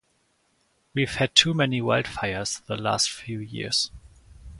We've had too many wildfires the last few years